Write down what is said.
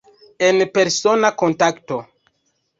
En persona kontakto.